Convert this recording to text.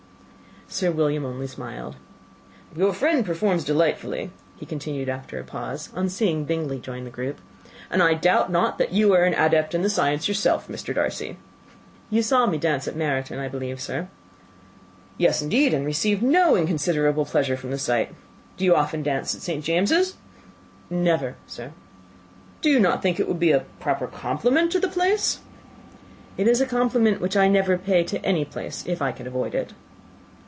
Sir William only smiled. "Your friend performs delightfully," he continued, after a pause, on seeing Bingley join the group; "and I doubt not that you are an adept in the science yourself, Mr. Darcy." "You saw me dance at Meryton, I believe, sir." "Yes, indeed, and received no inconsiderable pleasure from the sight. Do you often dance at St. James's?" "Never, sir." "Do you not think it would be a proper compliment to the place?" "It is a compliment which I never pay to any place if I can avoid it."